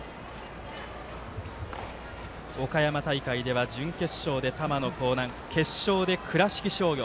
岡山大会では準優勝では玉野光南、決勝で倉敷商業。